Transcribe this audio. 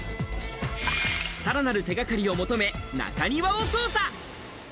さらなる手掛かりを求め、中庭を捜査。